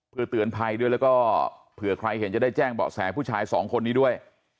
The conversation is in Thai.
เพื่อเตือนภัยด้วยแล้วก็เผื่อใครเห็นจะได้แจ้งเบาะแสผู้ชายสองคนนี้ด้วย